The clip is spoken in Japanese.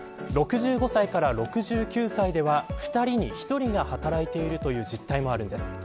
６５歳から６９歳では、２人に１人が働いているという実態もあるんです。